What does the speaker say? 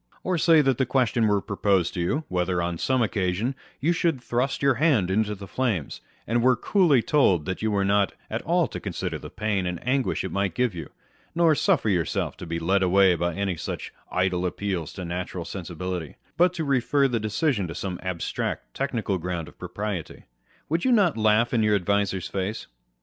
Or say that the question were proposed to you â€" whether, on some occasion, you should thrust your hand into the flames, and were coolly told that you were not at all to consider the pain and anguish it might give you, nor suffer yourself to be led away by any such idle appeals to natural sensibility, but to refer the decision to some abstract, technical ground of propriety, â€" would you not laugh in your adviser's face